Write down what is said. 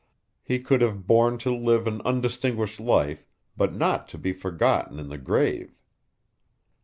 He could have borne to live an undistinguished life, but not to be forgotten in the grave.